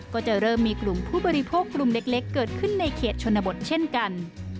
ก็จะเริ่มมีกลุ่มผู้บริโภคกลุ่มเล็กเกิดขึ้นในเขตชนบทเช่นกัน